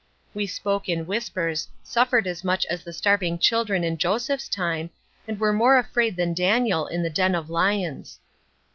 We spoke in whispers, suffered as much as the starving children in Joseph's time, and were more afraid than Daniel in the den of lions.